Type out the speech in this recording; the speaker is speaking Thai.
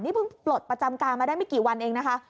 นี่เพิ่งปลดประจำการมาได้ไม่กี่วันเองนะคะ